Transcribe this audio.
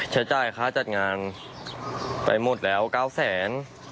ใช้จ่ายค่าจัดงานไปหมดแล้ว๙แสน